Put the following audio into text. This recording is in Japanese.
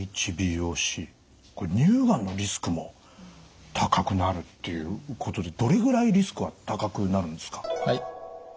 これ乳がんのリスクも高くなるっていうことでどれぐらいリスクは高くなるんですか？